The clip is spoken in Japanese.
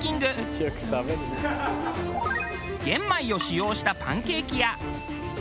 玄米を使用したパンケーキや。